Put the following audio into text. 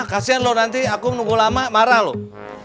kasian loh nanti aku nunggu lama marah loh